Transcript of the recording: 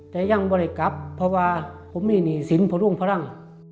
แต่ยังไม่ได้กลับเพราะว่าผมมีหนี้สินพรุ่งพลัง